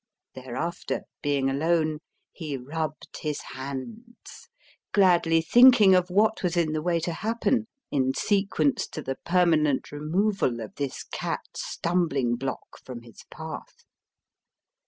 Thereafter, being alone, he rubbed his hands gladly thinking of what was in the way to happen in sequence to the permanent removal of this cat stumbling block from his path.